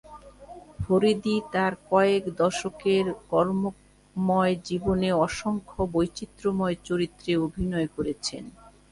ফরীদি তাঁর কয়েক দশকের কর্মময় জীবনে অসংখ্য বৈচিত্র্যময় চরিত্রে অভিনয় করেছেন।